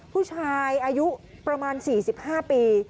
ผู้ชายอายุประมาณ๔๕ปี